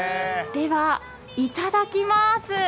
では、いただきます。